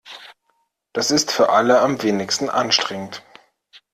Das ist für alle am wenigsten anstrengend.